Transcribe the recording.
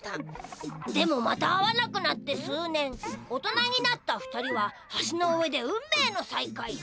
でもまた会わなくなって数年大人になった２人は橋の上で運命のさいかい。